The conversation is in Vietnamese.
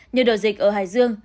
như đợt dịch ở hải dương